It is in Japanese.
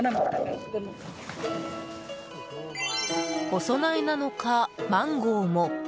お供えなのか、マンゴーも。